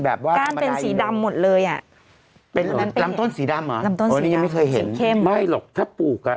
แบบว่าก้านเป็นสีดำหมดเลยอ่ะเป็นรํะต้นสีดำอ่ะ